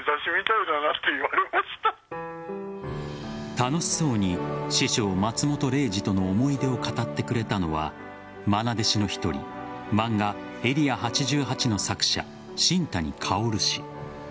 楽しそうに師匠・松本零士との思い出を語ってくれたのはまな弟子の１人漫画「エリア８８」の作者新谷かおる氏。